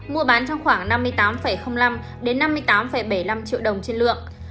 mua bán trong khoảng năm mươi tám năm đến năm mươi tám bảy mươi năm triệu đồng trên lượng